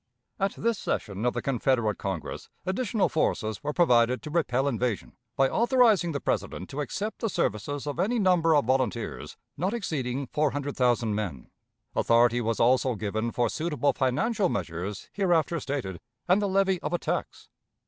At this session of the Confederate Congress additional forces were provided to repel invasion, by authorizing the President to accept the services of any number of volunteers not exceeding four hundred thousand men. Authority was also given for suitable financial measures hereafter stated, and the levy of a tax.